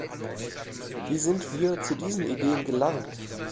Wie sind wir zu diesen Ideen gelangt?